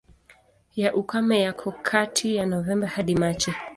Ya ukame yako kati ya Novemba hadi Machi.